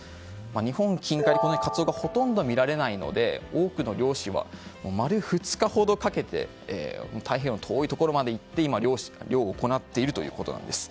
日本近海で、このようにカツオがほとんど見られないので多くの漁師は丸２日ほどかけて太平洋の遠いところまで行って漁を行っているということです。